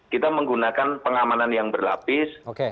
kita menggunakan pengamanan yang berlapis